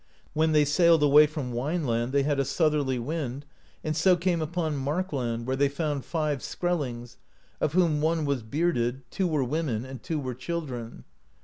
When they sailed away from Wineland, they had a southerly wind, and so came upon Markland, where they found five Skrellings, of whom one was bearded, two were women, and two were children.